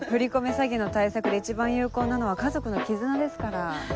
詐欺の対策で一番有効なのは家族の絆ですから。